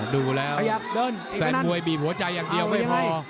ดูแล้วแฟนมวยบีบหัวใจอย่างเดียวไม่พอ